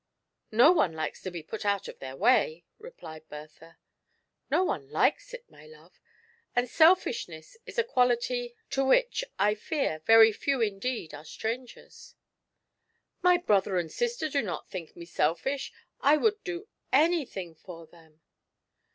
"No one likes to be put out of their way," replied Bertha. " No one likes it, my love, and aelfiahness is a quality to which, I fear, very few indeed are strangera" " My brother and sister do not think me selfish — T would do anything for them."